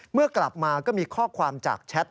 เมื่อกลับมาก็มีข้อความจากแชท